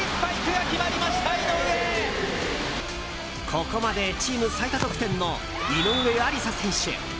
ここまでチーム最多得点の井上愛里沙選手。